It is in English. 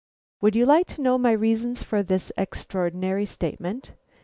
Would you like to know my reasons for this extraordinary statement?